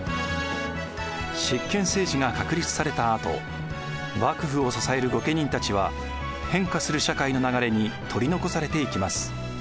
執権政治が確立されたあと幕府を支える御家人たちは変化する社会の流れに取り残されていきます。